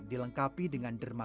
dilengkapi dengan derma dan